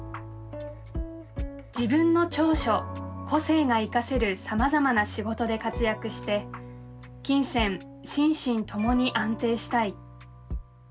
「自分の長所個性が活かせる様々な仕事で活躍して金銭心身共に安定したい。